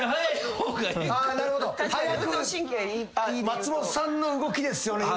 松本さんの動きですよね